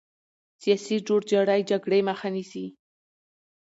سیاسي جوړجاړی جګړې مخه نیسي